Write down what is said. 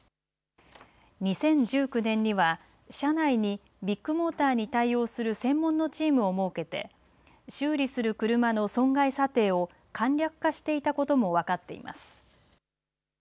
２０１９年には社内にビッグモーターに対応する専門のチームを設けて修理する車の損害査定を簡略化していたことも分かっています。